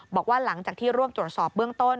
บอกว่าหลังจากที่ร่วมตรวจสอบเบื้องต้น